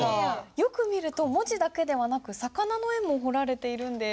よく見ると文字だけではなく魚の絵も彫られているんです。